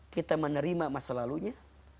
kita menerima masa lalunya